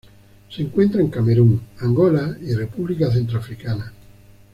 Se encuentra en Camerún, Angola y República Centroafricana.